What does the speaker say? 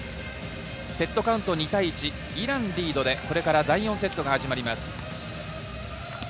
セットカウント２対１、イランリードでこれから第４セットが始まります。